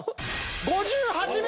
５８秒！